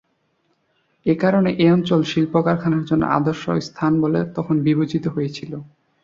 একারণে এ অঞ্চল শিল্প-কারখানার জন্য আদর্শ স্থান বলে তখন বিবেচিত হয়েছিল।